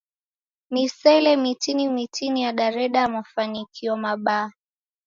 Misele mitini mitini yadareda mafanikio mabaa.